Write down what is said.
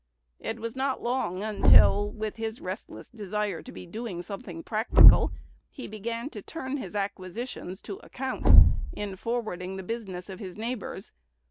It was not long until, with his restless desire to be doing something practical, he began to turn his acquisitions to account in forwarding the business of his neighbors.